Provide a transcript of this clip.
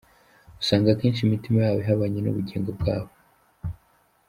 Usanga kenshi imitima yabo ihabanye n’ubugingo bwabo.